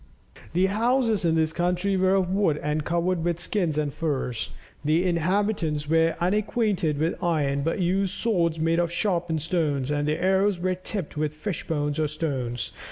The houses in this country were of wood and covered with skins and furs. The inhabitants were unacquainted with iron, but used swords made of sharpened stones, and their arrows were tipped with fish bones or stones.